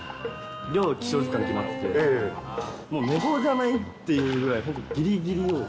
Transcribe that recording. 寮は起床時間決まってて、もう寝坊じゃないっていうぐらい、本当ぎりぎりを。